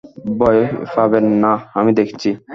ভয় পাবেন না, আমি দেখছি।